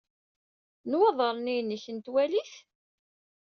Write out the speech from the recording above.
Nnwaḍer-nni-inek, n twalit?